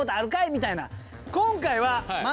みたいな。